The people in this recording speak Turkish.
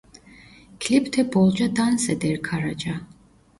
Klipte bolca dans eder Karaca.